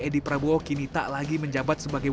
edi prabowo kini tak lagi menjabat sebagai